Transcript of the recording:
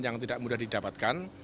yang tidak mudah didapatkan